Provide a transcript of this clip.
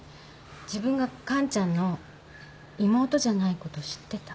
自分が完ちゃんの妹じゃないこと知ってた。